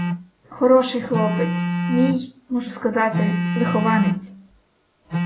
Хороший хлопець, мій, можу сказати, вихованець.